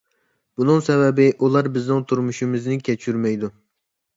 بۇنىڭ سەۋەبى، ئۇلار بىزنىڭ تۇرمۇشىمىزنى كەچۈرمەيدۇ.